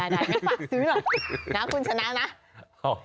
อย่าคุณชนะนะ